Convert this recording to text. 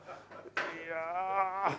いやあ！